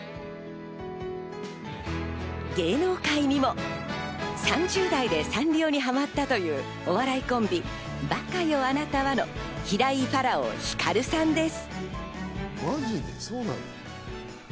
芸能界にも、３０代でサンリオにハマったというお笑いコンビ・馬鹿よ貴方はの平井ファラオ光さんです。